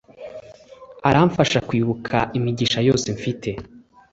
aramfasha kwibuka imigisha yose mfite